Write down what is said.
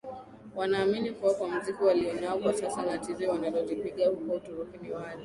Wanaamini kuwa kwa mziki walionao kwa sasa na tizi wanalopiga huko Uturuki ni wazi